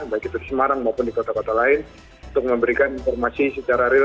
baik itu di semarang maupun di kota kota lain untuk memberikan informasi secara real